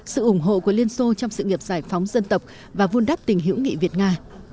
sự ủng hộ của liên xô trong sự nghiệp giải phóng dân tộc và vun đắp tình hữu nghị việt nga